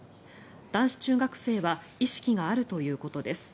男子中学生は意識があるということです。